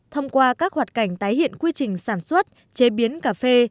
thông qua các hoạt cảnh tái hiện quy trình sản xuất chế biến cà phê